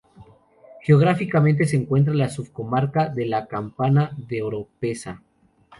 Geográficamente se encuentra en la subcomarca de La Campana de Oropesa.